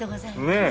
ねえ。